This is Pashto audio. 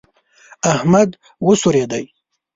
احمد وسورېدی.